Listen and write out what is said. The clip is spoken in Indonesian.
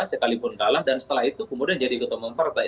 sekalipun kalah dan setelah itu kemudian jadi ketua mempertai